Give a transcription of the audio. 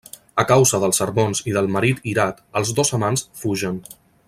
A causa dels sermons i del marit irat, els dos amants fugen.